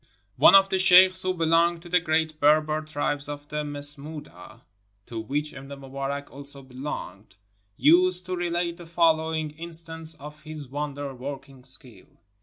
One of the sheikhs who belonged to the great Berber tribe of the Masmoodah, to which Ibn Mubarak also belonged, used to relate the following instance of his wonder working skill.